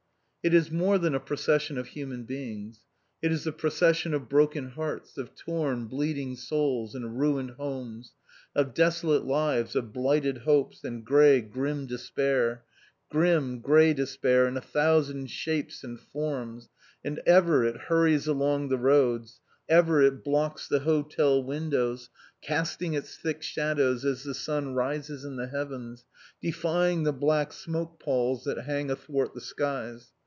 It is more than a procession of human beings. It is a procession of broken hearts, of torn, bleeding souls, and ruined homes, of desolate lives, of blighted hopes, and grim, grey despair grim, grey despair in a thousand shapes and forms; and ever It hurries along the roads, ever It blocks the hotel windows, casting its thick shadows as the sun rises in the heavens, defying the black smoke palls that hang athwart the skies.